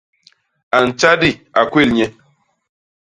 A ntjadi, a kwél nye.